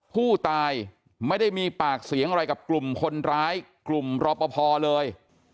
ผู้ตายไม่ได้มีปากเสียงอะไรกับกลุ่มคนร้ายกลุ่มรอปภเลย